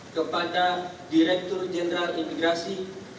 kepada direktur jenderal imigrasi